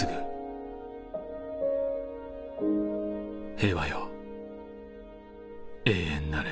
「平和よ永遠なれ」